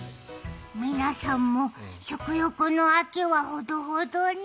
皆さんも食欲の秋は、ほどほどに。